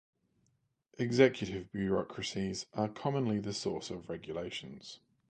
Executive bureaucracies are commonly the source of regulations.